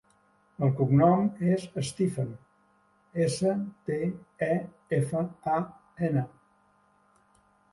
El cognom és Stefan: essa, te, e, efa, a, ena.